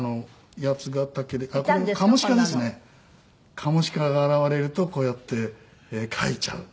カモシカが現れるとこうやって描いちゃう。